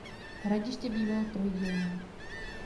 Hradiště bývalo trojdílné.